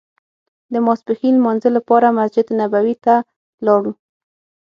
د ماسپښین لمانځه لپاره مسجد نبوي ته لاړو.